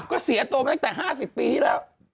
ก็เสียตัวมาตั้งแต่๕๐ปีที่แล้ว